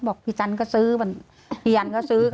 พี่จันก็ซื้อพี่ยันก็ซื้อ